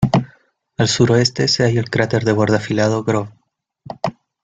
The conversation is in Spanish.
Al suroeste se halla el cráter de borde afilado Grove.